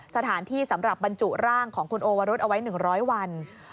สถานที่สำหรับบรรจุร่างของคุณโอวรุธเอาไว้๑๐๐วัน